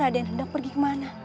raden raden hendak pergi kemana